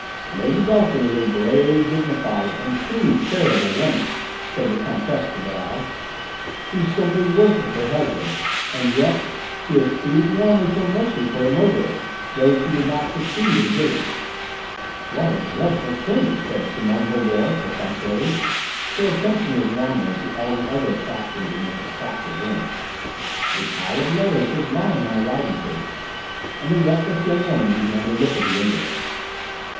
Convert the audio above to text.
"Lady Beltham is a brave, dignified, and truly charitable woman," said the Comtesse de Baral. "She simply worshipped her husband. And yet, she pleaded warmly for mercy for the murderer though she did not succeed in getting it." "What a dreadful thing!" said Simone Holbord perfunctorily; her attention was wandering to all the other attractions in this attractive room. A pile of letters was lying on a writing table, and the reckless young woman began to look at the envelopes.